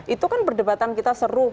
itu kan perdebatan kita seru